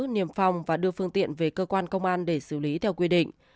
niềm phòng và đưa phương tiện về cơ quan công an để xử lý theo quy định